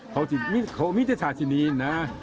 เขาอยู่ที่มีเจษาที่นี่น้า